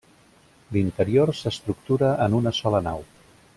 L'interior s'estructura en una sola nau.